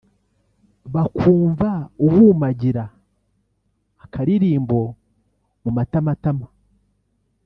Bakumva uhumagira akaririmbo mu matamatama